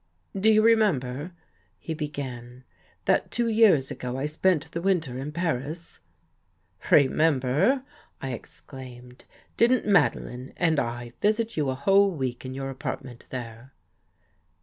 " Do you remember," he began, " that two years ago I spent the winter in Paris? "" Remember! " I exclaimed. " Didn't Madeline and I visit you a whole week in your apartment there?